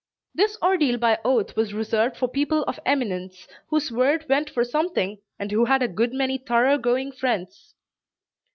This ordeal by oath was reserved for people of eminence, whose word went for something, and who had a good many thorough going friends.